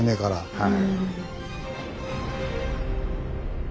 はい。